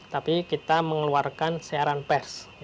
tapi kita mengeluarkan siaran pers